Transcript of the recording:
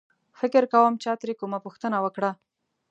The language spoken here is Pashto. فکر کوم چا ترې کومه پوښتنه وکړه.